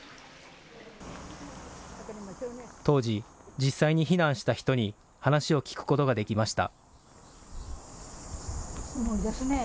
当時、実際に避難した人に話を聞くことができました。